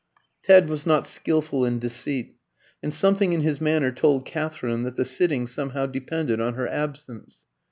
Ted was not skillful in deceit, and something in his manner told Katherine that the sitting somehow depended on her absence.